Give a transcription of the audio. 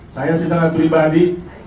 saya secara pribadi